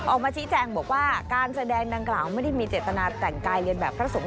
ออกมาชี้แจงบอกว่าการแสดงดังกล่าวไม่ได้มีเจตนาแต่งกายเรียนแบบพระสงฆ